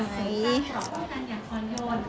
เป็นห่วงอะไรมั้ย